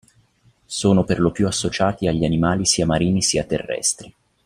Sono perlopiù associati agli animali sia marini sia terrestri.